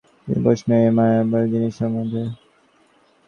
তুমি প্রশ্ন করছ ঐ মায়ার পারের জিনিষ সম্বন্ধে।